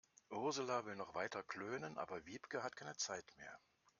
Ursula will noch weiter klönen, aber Wiebke hat keine Zeit mehr.